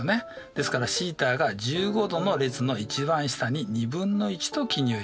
ですからθが１５°の列の一番下に２分の１と記入してください。